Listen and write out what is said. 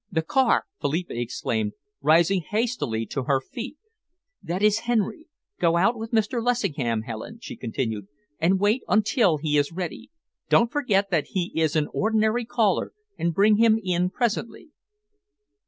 "The car!" Philippa exclaimed, rising hastily to her feet. "That is Henry! Go out with Mr. Lessingham, Helen," she continued, "and wait until he is ready. Don't forget that he is an ordinary caller, and bring him in presently."